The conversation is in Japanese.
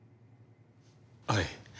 はい。